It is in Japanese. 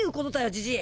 じじい？